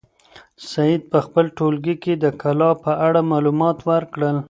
سعید په خپل ټولګي کې د کلا په اړه معلومات ورکړل.